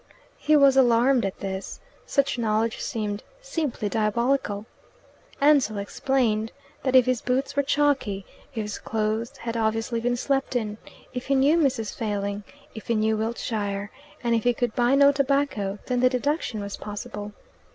He was alarmed at this. Such knowledge seemed simply diabolical. Ansell explained that if his boots were chalky, if his clothes had obviously been slept in, if he knew Mrs. Failing, if he knew Wiltshire, and if he could buy no tobacco then the deduction was possible.